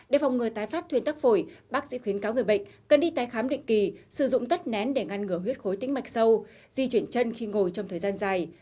để phòng ngừa tái phát thuyên tắc phổi bác sĩ khuyến cáo người bệnh cần đi tái khám định kỳ sử dụng tất nén để ngăn ngừa huyết khối tĩnh mạch sâu di chuyển chân khi ngồi trong thời gian dài